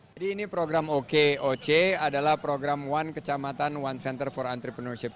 jadi ini program okoc adalah program one kecamatan one center for entrepreneurship